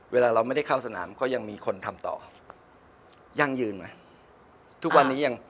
เวลาเราไม่ได้เข้าสนามก็ยังมีคนทำต่อยั่งยืนไหมทุกวันนี้ยัง